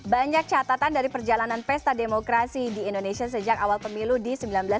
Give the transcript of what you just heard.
banyak catatan dari perjalanan pesta demokrasi di indonesia sejak awal pemilu di seribu sembilan ratus sembilan puluh